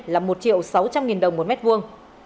là một triệu sáu trăm linh nghìn đồng một mét vuông